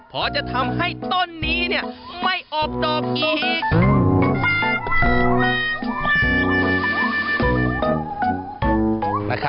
เพราะจะทำให้ต้นนี้ไม่ออกดอกอีก